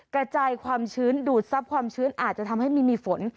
กระจายความชื้นดูดซับความชื้นอาจจะทำให้มีฝน